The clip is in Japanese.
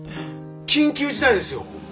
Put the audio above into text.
緊急事態ですよ！